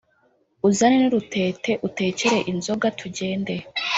uzane n’urutete utekere inzoga tugende